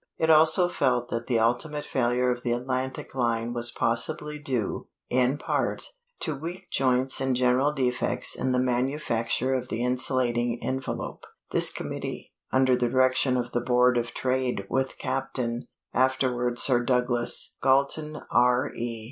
It was also felt that the ultimate failure of the Atlantic line was possibly due, in part, to weak joints and general defects in the manufacture of the insulating envelope. This committee under the direction of the Board of Trade, with Captain, afterward Sir Douglas, Galton, R.E.